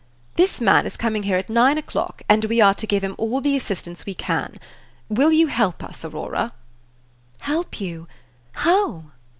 This man is coming here at nine o'clock, and we are to give him all the assistance we can. Will you help us, Aurora?" "Help you? How?"